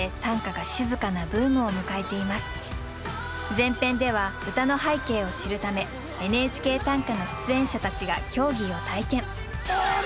前編では歌の背景を知るため「ＮＨＫ短歌」の出演者たちが競技を体験。